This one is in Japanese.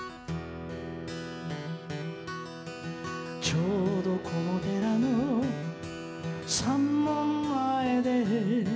「ちょうどこの寺の山門前で」